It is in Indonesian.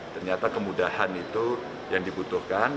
ternyata kemudahan itu yang dibutuhkan